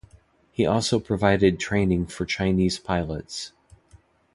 He also provided training for Chinese pilots.